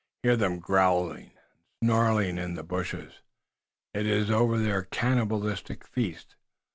"Hear them growling and snarling in the bushes. It is over their cannibalistic feast.